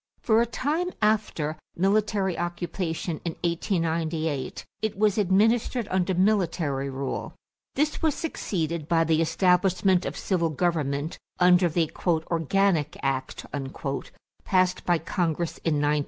For a time after military occupation in 1898, it was administered under military rule. This was succeeded by the establishment of civil government under the "organic act" passed by Congress in 1900.